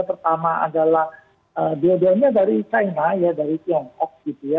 pertama adalah dua duanya dari china ya dari tiongkok gitu ya